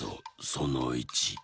その１。